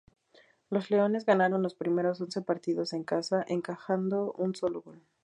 Los leones ganaron los primeros once partidos en casa, encajando un sólo gol.